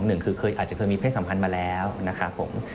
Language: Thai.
หนึ่งคือเคยอาจจะเคยมีเพศสัมพันธ์มาแล้วนะครับผม